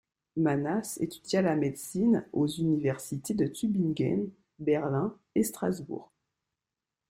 Manasse étudia la médecine aux universités de Tübingen, Berlin et Strasbourg.